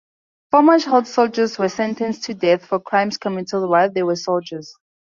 Former child soldiers were sentenced to death for crimes committed while they were soldiers.